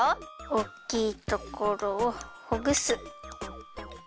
おっきいところをほぐす。